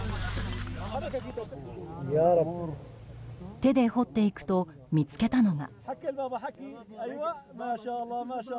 手で掘っていくと見つけたのが。